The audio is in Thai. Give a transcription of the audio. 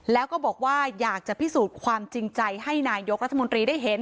แล้วก็บอกว่าอยากจะพิสูจน์ความจริงใจให้นายกรัฐมนตรีได้เห็น